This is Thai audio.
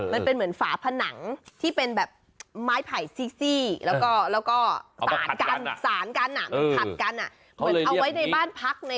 มันเป็นเหมือนฝาผนังที่เป็นแบบไม้ไผ่ซี่แล้วก็แล้วก็